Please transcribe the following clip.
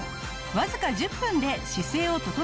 わずか１０分で姿勢を整えます。